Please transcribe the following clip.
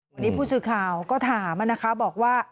วันนี้วุฒิภาวก็ถามบอกว่า